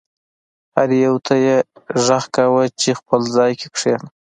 هر یو ته یې غږ کاوه چې خپل ځای کې کښېنه.